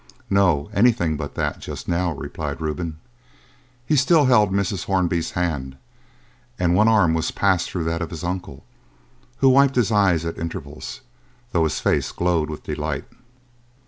"No; anything but that, just now," replied Reuben. He still held Mrs. Hornby's hand, and one arm was passed through that of his uncle, who wiped his eyes at intervals, though his face glowed with delight.